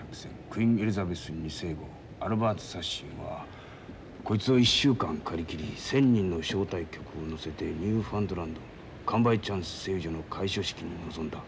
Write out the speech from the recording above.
クィーンエリザベス二世号アルバート・サッシンはこいつを１週間借り切り１，０００人の招待客を乗せてニューファンドランド・カンバイチャンス製油所の開所式に臨んだ。